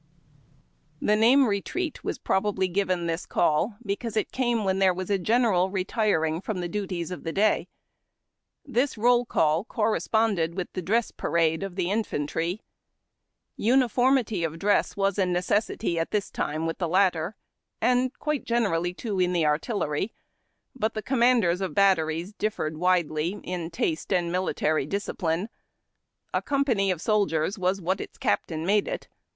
The name lietreat was probably given this call because GOING TO WATER. it came Avhen there was a general retiring from the duties of the day. This roll call corresponded with the Dress Parade of the infantry. Uniformity of dress was a necessity at this time wath the latter, and quite generally too in the artillerj^ ; but the commanders of batteries differed widely in taste and military discipline. A company of soldiers was what its captain made it.